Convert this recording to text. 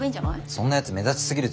そんなやつ目立ちすぎるでしょ。